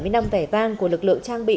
bảy mươi năm vẻ vang của lực lượng trang bị